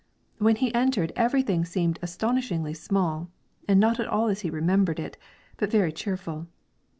When he entered everything seemed astonishingly small, and not at all as he remembered it, but very cheerful.